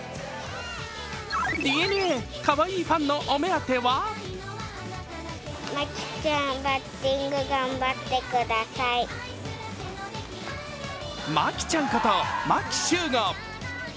ＤｅＮＡ、かわいいファンのお目当ては牧ちゃんこと牧秀悟。